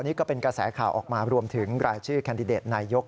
นี่ก็เป็นกระแสข่าวออกมารวมถึงรายชื่อแคนดิเดตนายก